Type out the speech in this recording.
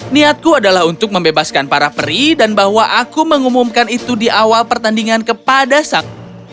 niatku adalah untuk membebaskan para peri dan bahwa aku mengumumkan itu di awal pertandingan kepada sak